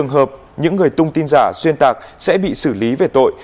trường hợp những người tung tin giả xuyên tạc sẽ bị xử lý về tội